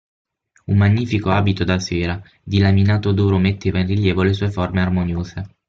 Un magnifico abito da sera, di laminato d'oro metteva in rilievo le sue forme armoniose.